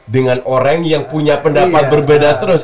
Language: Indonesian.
dengan orang yang punya pendapat berbeda terus